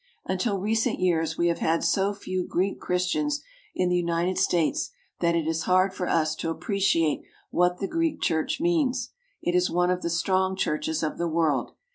Until recent years we have had so few Greek Chris tians in the United States that it is hard for us to ap preciate what the Greek Church means. It is one of the strong churches of the world.